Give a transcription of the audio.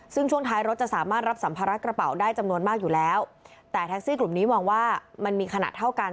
ซึ่งช่วงท้ายรถจะสามารถรับสัมภาระกระเป๋าได้จำนวนมากอยู่แล้วแต่แท็กซี่กลุ่มนี้มองว่ามันมีขนาดเท่ากัน